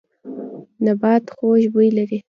نبات خوږ بوی لري.